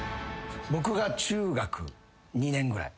僕が中学２年ぐらい。